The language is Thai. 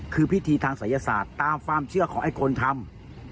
คือพิธีทางศัยศาสตร์ตามความเชื่อของไอ้คนทำ